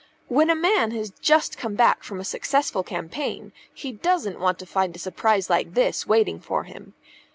"When a man has just come back from a successful campaign, he doesn't want to find a surprise like this waiting for him.